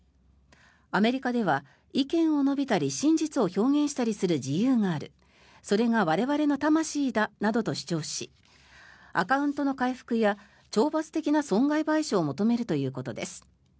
アメリカでは意見を述べたり真実を表現したりする自由があるそれが我々の魂だなどと主張しアカウントの回復や懲罰的な損害賠償を求めるということです。